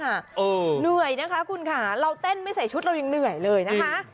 เหนื่อยนะคะคุณค่ะเราเต้นไม่ใส่ชุดเรายังเหนื่อยเลยนะคะ